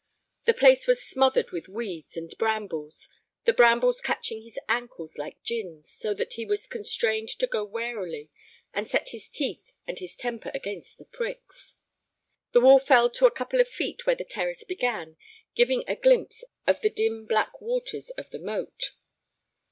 The place was smothered with weeds and brambles, the brambles catching his ankles like gins, so that he was constrained to go warily and set his teeth and his temper against the pricks. The wall fell to a couple of feet where the terrace began, giving a glimpse of the dim black waters of the moat.